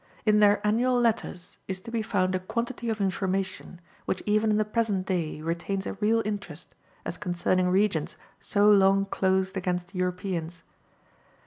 In their Annual Letters is to be found a quantity of information, which even in the present day retains a real interest, as concerning regions so long closed against Europeans.